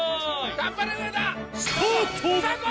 頑張れ上田！